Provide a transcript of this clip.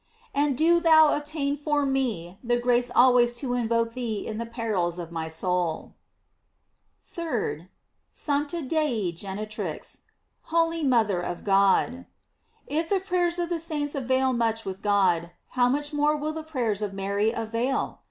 And do thou obtain for me the grace al ways to invoke thee in the perils of my soul. 3d. "Sancta Dei genitrix;" Holy mother of God. If the prayers of the saints avail much with God, how much more will the prayers of Mary avail!